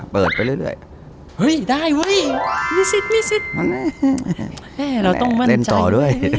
เปิดไปเรื่อยเรื่อยเฮ้ยได้เว้ยมีสิทธิ์มีสิทธิ์เราต้องมั่นใจเล่นต่อด้วย